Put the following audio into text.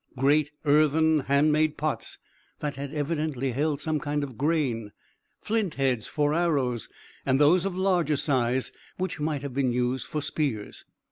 Great earthen handmade pots that had evidently held some kind of grain, flint heads for arrows, and those of larger size which might have been used for spears.